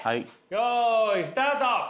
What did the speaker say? よいスタート。